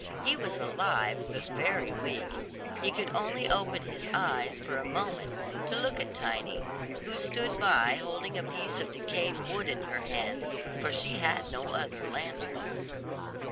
He was alive but very weak; he could only open his eyes for a moment to look at Tiny, who stood by holding a piece of decayed wood in her hand, for she had no other lantern.